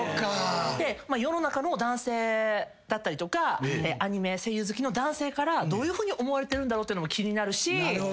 で世の中の男性だったりとかアニメ声優好きの男性からどういうふうに思われてるだろうってのも気になるし。